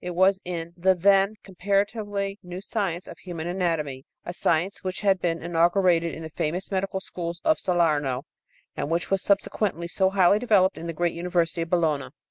It was in the then comparatively new science of human anatomy a science which had been inaugurated in the famous medical schools of Salerno and which was subsequently so highly developed in the great University of Bologna.